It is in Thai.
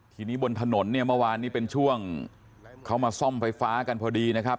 ทีนี้บนถนนเนี่ยเมื่อวานนี้เป็นช่วงเขามาซ่อมไฟฟ้ากันพอดีนะครับ